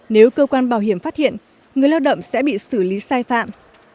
nếu cơ quan bảo hiểm phát hiện người lao động sẽ bị xử lý sai phạm